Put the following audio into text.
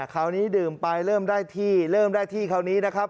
คราวนี้ดื่มไปเริ่มได้ที่เริ่มได้ที่คราวนี้นะครับ